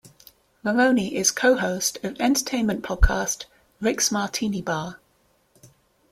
Maroney is co-host of entertainment podcast Rick's Martini Bar.